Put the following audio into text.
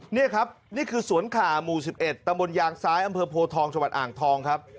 นี่ครับนี่คือสวนขาหมู่๑๑ตำบลยางซ้ายอำเภอโพทองจังหวัดอ่างทองครับ